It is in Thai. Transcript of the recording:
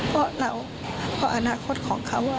เพราะเราเพราะอนาคตของเขา